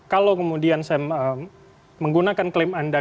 kalau kemudian saya menggunakan klaim anda